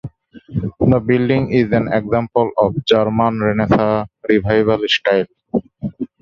The building is an example of German Renaissance Revival style.